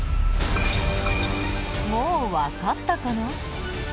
もうわかったかな？